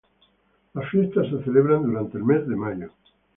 Las fiestas se celebran durante el mes de mayo.